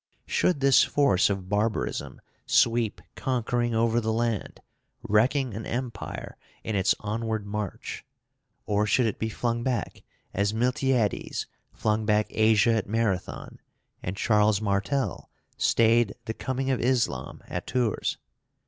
Should this force of barbarism sweep conquering over the land, wrecking an empire in its onward march, or should it be flung back as Miltiades flung back Asia at Marathon, and Charles Martel stayed the coming of Islam at Tours?